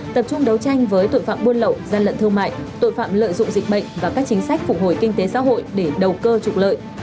tập trung đấu tranh với tội phạm buôn lậu gian lận thương mại tội phạm lợi dụng dịch bệnh và các chính sách phục hồi kinh tế xã hội để đầu cơ trục lợi